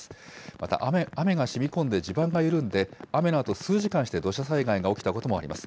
また雨がしみ込んで地盤が緩んで、雨のあと数時間して土砂災害が起きたこともあります。